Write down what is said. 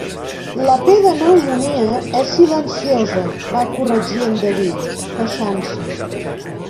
La P de pneumònia és silenciosa, va corregir en David, queixant-se.